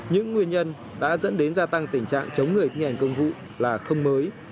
những nguyên nhân đã dẫn đến gia tăng tình trạng chống người thi hành công vụ là không mới